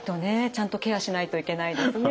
ちゃんとケアしないといけないですね